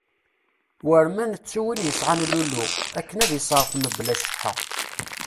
War ma nettu win yesɛan lulu akken ad iserref mebla cceḥḥa.